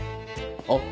あっ。